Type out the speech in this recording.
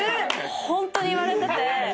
ホントに言われてて。